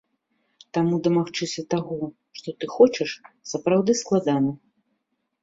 Таму дамагчыся таго, што ты хочаш, сапраўды складана.